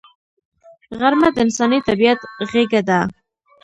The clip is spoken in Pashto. غرمه د انساني طبیعت غېږه ده